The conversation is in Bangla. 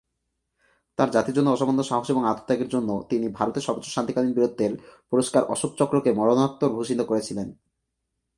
তাঁর জাতির জন্য অসামান্য সাহস এবং আত্মত্যাগের জন্য, তিনি ভারতে সর্বোচ্চ শান্তিকালীন বীরত্বের পুরস্কার অশোক চক্রকে মরণোত্তর ভূষিত করেছিলেন।